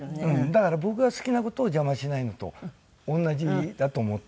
だから僕が好きな事を邪魔しないのと同じだと思ってるので。